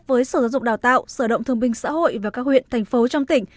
với sở giáo dục đào tạo sở động thương binh xã hội và các huyện thành phố trong tỉnh